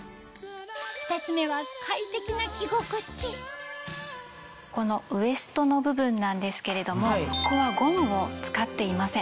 ２つ目はこのウエストの部分なんですけれどもここはゴムを使っていません。